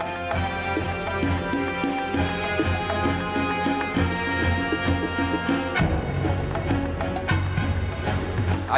jangan dimasukkan ke dalam hati